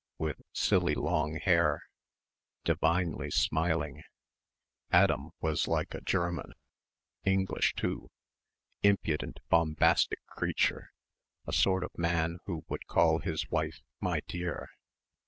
with silly long hair ... "divinely smiling" ... Adam was like a German ... English too.... Impudent bombastic creature ... a sort of man who would call his wife "my dear."